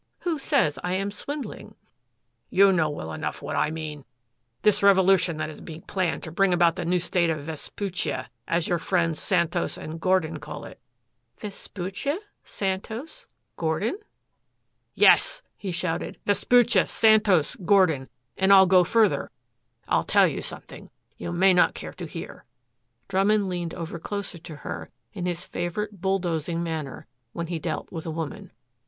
"Who says I am swindling?" "You know well enough what I mean this revolution that is being planned to bring about the new state of Vespuccia, as your friends Santos and Gordon call it." "Vespuccia Santos Gordon?" "Yes," he shouted, "Vespuccia Santos Gordon. And I'll go further. I'll tell you something you may not care to hear." Drummond leaned over closer to her in his favorite bulldozing manner when he dealt with a woman.